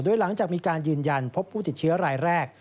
โดยหลังจากมีการยืนยันพบผู้ติดเชื้อรายแรก